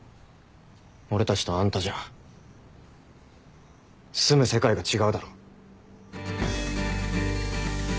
俺たちとあんたじゃ住む世界が違うだろ。